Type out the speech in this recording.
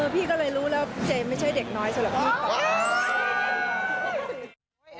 พี่ก็เลยรู้แล้วเจมส์ไม่ใช่เด็กน้อยเพราะพี่